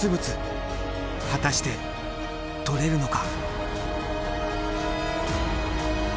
果たして採れるのか？